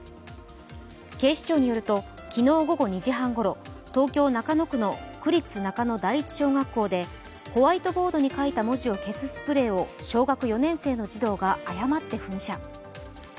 警視庁によると昨日午後２時半ごろ東京・中野区の区立中野第一小学校でホワイトボードに書いた文字を消すスプレーを小学４年生の児童が誤って噴射。